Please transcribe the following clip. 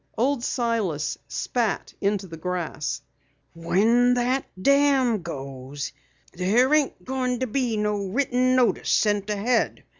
Old Silas spat into the grass. "When that dam lets go," he said, "there ain't goin' to be no written notice sent ahead.